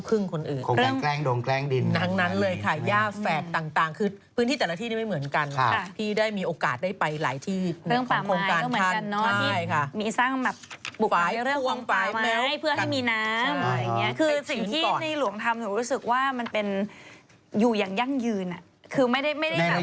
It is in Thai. กรมกุฏุบอกว่าไทยนี่ได้ไปเขาว่าอย่างนี้